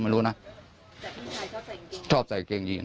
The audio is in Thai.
แต่พี่ชายชอบใส่เกงยีน